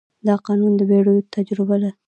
دا قانون د پېړیو تجربه ده.